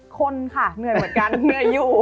คนค่ะเหนื่อยเหมือนกันเหนื่อยอยู่